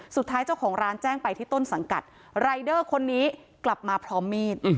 สุดท้ายเจ้าของร้านแจ้งไปที่ต้นสังกัดรายเดอร์คนนี้กลับมาพร้อมมีด